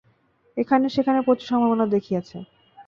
এখানে এবং সেখানে প্রচুর সম্ভাবনা দেখিয়েছে।